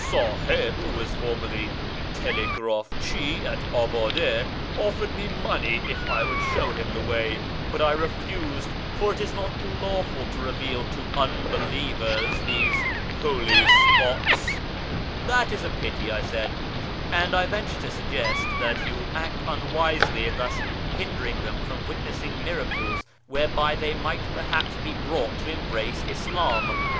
Siiliib, who was formerly tclcgrdfchi at Abade, offered nie money if 1 would show him the way, but I refused, for it is not lawful to reveal to unbelievers these holy spots." " That is a pity," I said ;" and I venture to suggest that you act unwisely in tlius hindering them from witnessing miracles whereby they might perhaps be brought to embrace Ish'im.